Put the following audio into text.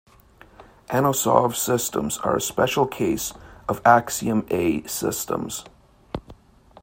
Anosov systems are a special case of Axiom A systems.